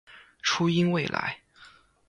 初音未来